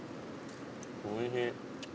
おいしい。